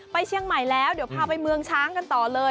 เชียงใหม่แล้วเดี๋ยวพาไปเมืองช้างกันต่อเลย